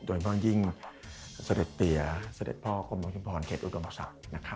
โดยเมื่อยิ่งเสด็จเตียเสด็จพ่อกำลังชมพรเขตอุตกรรมศักดิ์